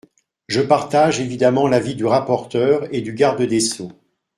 Je partage évidemment l’avis du rapporteur et du garde des sceaux.